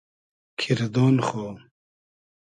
کیردۉن خو